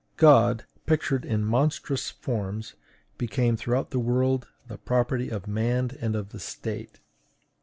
God, pictured in monstrous forms, became throughout the world the property of man and of the State.